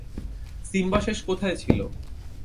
Simba শেষ কোথায় ছিল?